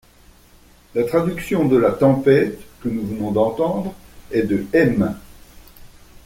La traduction de la Tempête, que nous venons d'entendre, est de M.